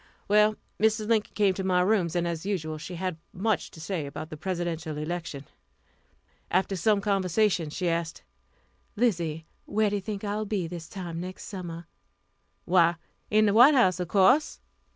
Well, Mrs. Lincoln came to my rooms, and, as usual, she had much to say about the Presidential election. After some conversation, she asked: "Lizzie, where do you think I will be this time next summer?" "Why, in the White House, of course."